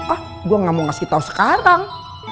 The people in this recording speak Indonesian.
ah gua gak mau kasih tau sekarang